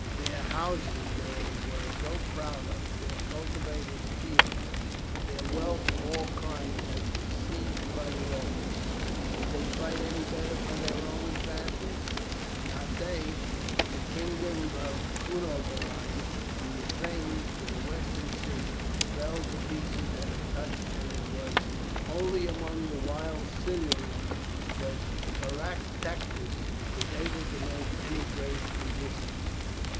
Their houses they were so proud of, their cultivated fields, their wealth of all kinds has been seized by the Romans. Did they fight any better for their Roman fashions? Not they; the kingdom of Cunobeline, from the Thames to the western sea, fell to pieces at a touch and it was only among the wild Silures that Caractacus was able to make any great resistance."